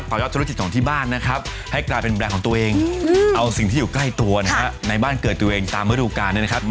โอ้โฮโอ้โหโหโมงพนะคะคุณนัทเขาเก่งมากเลยนัท